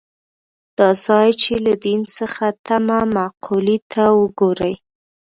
دا ځای چې له دین څخه تمه مقولې ته وګوري.